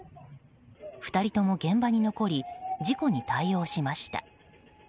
２人とも現場に残り事故に対応しました。